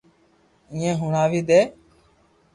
ايني ھيڙوا دي